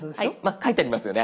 書いてありますよね。